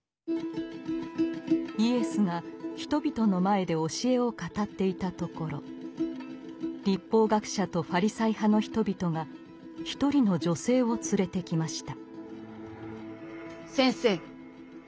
イエスが人々の前で教えを語っていたところ律法学者とファリサイ派の人々が一人の女性を連れてきました。